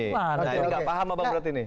nah ini gak paham abang berarti nih